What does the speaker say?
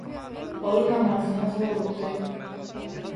Ol namazyna howlukdy.